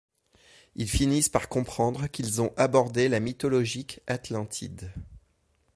Ils finissent par comprendre qu'ils ont abordé la mythologique Atlantide.